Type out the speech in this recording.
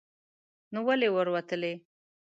نو ولې ور وتلې